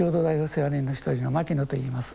世話人の一人の牧野と言います。